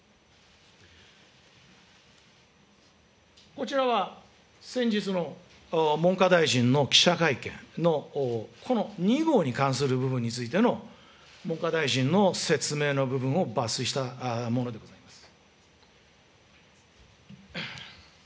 こちらは先日の文科大臣の記者会見の、この２号に関する部分についての、文科大臣の説明の部分を抜粋した者であります。